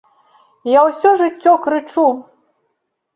Я ўсё жыццё крычу.